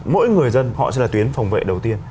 mỗi người dân họ sẽ là tuyến phòng vệ đầu tiên